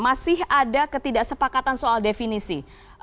masih ada ketidaksepakatan soal definisi